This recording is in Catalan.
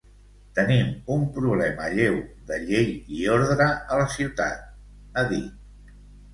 Tenim un problema lleu de llei i ordre a la ciutat, ha dit.